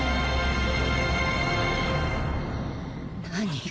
何？